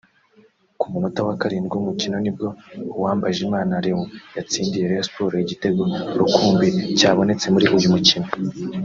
Ku munota wa karindwi w’umukino nibwo Uwambajimana Leon yatsindiye Rayon Sports igitego rukumbi cyabonetse muri uyu mukino